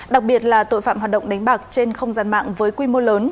đặc biệt là tội phạm hoạt động đánh bạc trên không gian mạng với quy mô lớn